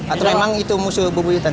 atau memang itu musuh bubu hitam